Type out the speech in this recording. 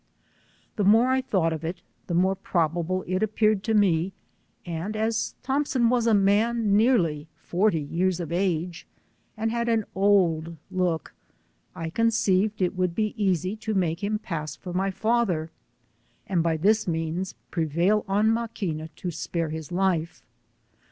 The more t thought of it the more probable it appeared to me, and as Thompson was a man nearly forty years of age, and had an old look, I conceived it would be easy to make him pass for my father, and by this means prevail on Maquiua to spare his life.